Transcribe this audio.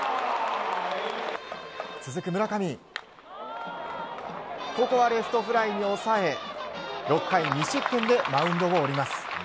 続く村上ここはレフトフライに抑え６回２失点でマウンドを降ります。